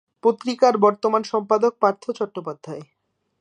পত্রিকার বর্তমান সম্পাদক পার্থ চট্টোপাধ্যায়।